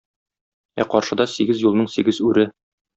Ә каршыда сигез юлның сигез үре.